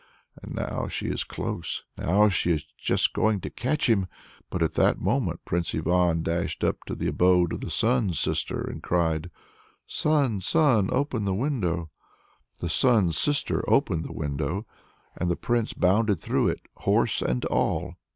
And now she is close, now she is just going to catch him! At that very moment Prince Ivan dashed up to the abode of the Sun's Sister and cried: "Sun, Sun! open the window!" The Sun's Sister opened the window, and the Prince bounded through it, horse and all.